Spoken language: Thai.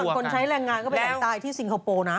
เมื่อก่อนคนใช้แรงงานก็ไปไหลตายที่ซิงคโปร์นะ